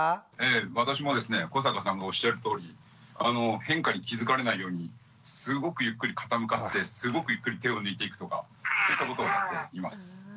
私もですね古坂さんがおっしゃるとおり変化に気付かれないようにすごくゆっくり傾かせてすごくゆっくり手を抜いていくとかそういったことをやっています。